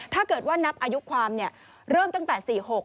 ถ้าเกิดว่านับอายุความเริ่มตั้งแต่๔๖